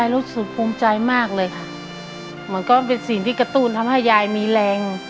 ลูกแม่แยรูสุทธิ์มังอ้างก็เป็นสิ่งที่กระตุ้นทำให้แยมีแรง